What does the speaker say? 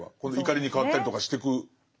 怒りに変わったりとかしてく。